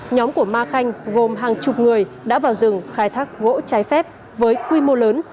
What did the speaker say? nhóm của ma khanh gồm hàng chục người đã vào rừng khai thác gỗ trái phép với quy mô lớn